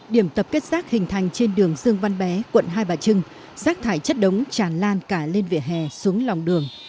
điểm tập kết rác hình thành trên đường dương văn bé quận hai bà trưng rác thải chất đống tràn lan cả lên vỉa hè xuống lòng đường